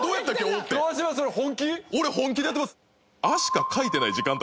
俺本気でやってます。